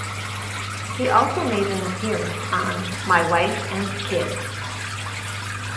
He also made an appearance on "My Wife and Kids".